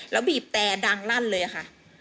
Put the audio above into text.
แล้วบีบแต่ดังลั่นเลยค่ะ